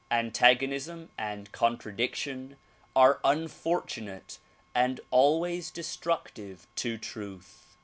Antagonism and contradiction arc unfortunate and always destructive to truth.